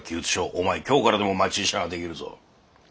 お前今日からでも町医者ができるぞ。